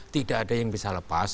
tidak ada yang bisa lepas